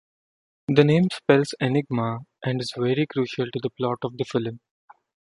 The name spells enigma and is very crucial to the plot of the film.